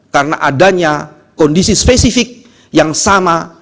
karena adanya kondisi spesifik yang sama